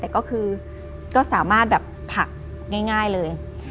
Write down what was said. แต่ก็คือก็สามารถแบบผักง่ายเลย